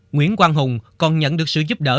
nguyễn quang hùng còn nhận được sự giúp đỡ